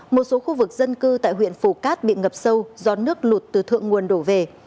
một số khu vực dân cư tại huyện phù cát bị ngập sâu do nước lụt từ thượng nguồn đổ về